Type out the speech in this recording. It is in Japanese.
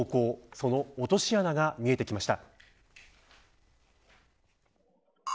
その落とし穴が見えてきました。